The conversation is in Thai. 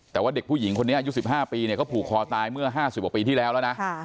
แต่ว่าเด็กผู้หญิงคนนี้อายุ๑๕ปีเนี่ยเขาผูกคอตายเมื่อ๕๐กว่าปีที่แล้วแล้วนะ